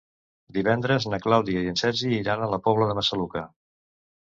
Divendres na Clàudia i en Sergi iran a la Pobla de Massaluca.